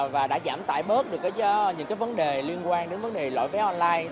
và đã giảm tải bớt được những cái vấn đề liên quan đến vấn đề lỗi vé online